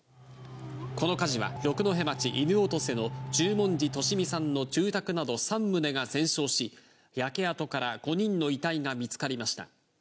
この火事は六戸町犬落瀬の十文字利美さんの住宅など３棟が全焼し、焼け跡から５人の遺体が見つかりました。